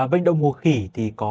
bệnh động mùa khỉ thì có